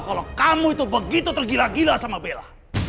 kalau kamu itu begitu tergila gila sama bella